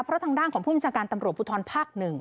เพราะทางด้านของผู้บัญชาการตำรวจภูทรภาค๑